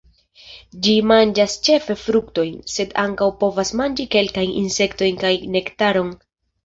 Ĝi manĝas ĉefe fruktojn, sed ankaŭ povas manĝi kelkajn insektojn kaj nektaron.